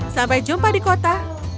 sampai jumpa di kota